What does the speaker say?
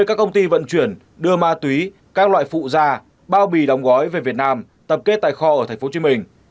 các công ty vận chuyển đưa ma túy các loại phụ ra bao bì đóng gói về việt nam tập kết tài kho ở tp hcm